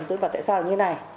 tôi bảo tại sao là như thế này